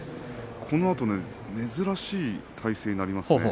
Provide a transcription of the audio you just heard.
このあと珍しい体勢になりますね。